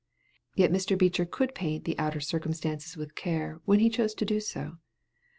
Yet Mr. Beecher could paint the outer circumstances with care when he chose to do so.